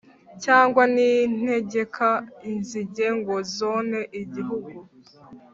cyangwa nintegeka inzige ngo zone igihugu,